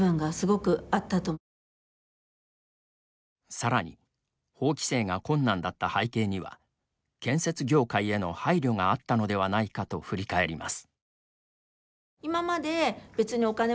さらに法規制が困難だった背景には建設業界への配慮があったのではないかと振り返ります。